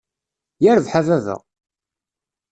Yirbeḥ a baba!